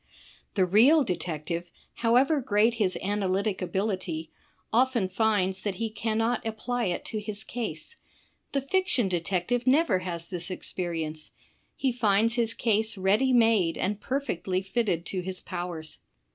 The real detective, however great his analytic ability, often finds that he cannot apply it to his case. The fiction detective never has this experience; he finds his case ready made and perfectly fitted to his powers.